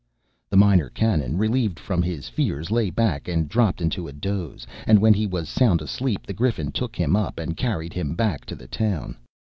The Minor Canon, relieved from his fears, lay back, and dropped into a doze; and when he was sound asleep the Griffin took him up, and carried him back to the town.